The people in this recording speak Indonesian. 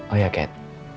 oh ya kat